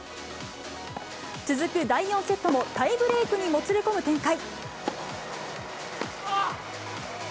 続く第４セットもタイブレークにもつれ込む展開。